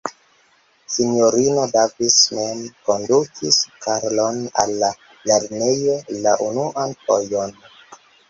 Sinjorino Davis mem kondukis Karlon al la lernejo la unuan fojon.